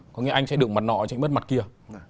có nghĩa là anh sẽ đựng mặt nọ chẳng mất mặt kia